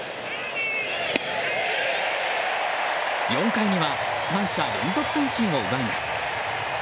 ４回には３者連続三振を奪います。